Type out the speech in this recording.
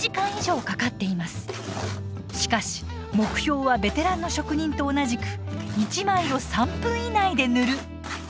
しかし目標はベテランの職人と同じく「１枚を３分以内で塗る」。